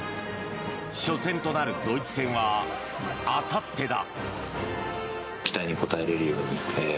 初戦となるドイツ戦はあさってだ。